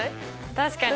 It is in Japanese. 確かに。